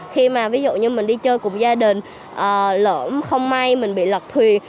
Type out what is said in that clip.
khi mà ví dụ như mình đi chơi cùng gia đình lợm không may mình bị lật thuyền